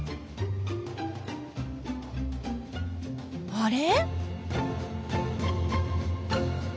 あれ？